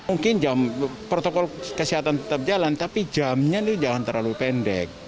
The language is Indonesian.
mungkin jam protokol kesehatan tetap jalan tapi jamnya itu jangan terlalu pendek